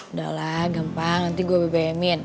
udah lah gampang nanti gue bbm in